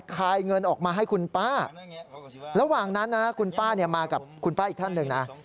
คายเงินออกมาให้คุณป้าระหว่างนั้นนะคุณป้ามากับคุณป้าอีกท่านหนึ่งนะ